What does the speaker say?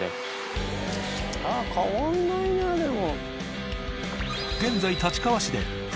変わんないなぁでも。